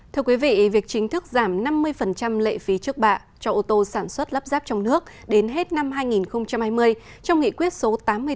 thưa quý vị việc chính thức giảm năm mươi lệ phí trước bạ cho ô tô sản xuất lắp ráp trong nước đến hết năm hai nghìn hai mươi trong nghị quyết số tám mươi bốn